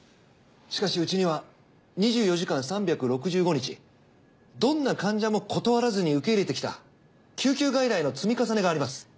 しかしうちには２４時間３６５日どんな患者も断らずに受け入れてきた救急外来の積み重ねがあります。